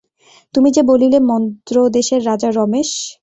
তুমি যে বলিলে মদ্রদেশের রাজা- রমেশ।